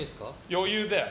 余裕だよ。